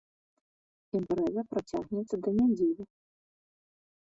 Імпрэза працягнецца да нядзелі.